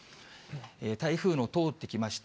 台風の通ってきました、